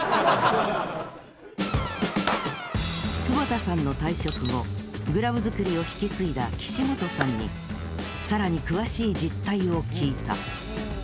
坪田さんの退職後グラブ作りを引き継いだ岸本さんに更に詳しい実態を聞いた。